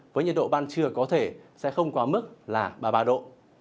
với nhiệt độ ban trưa có thể sẽ không quá mức là ba mươi ba độ